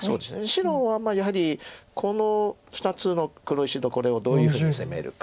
白はやはりこの２つの黒石とこれをどういうふうに攻めるか。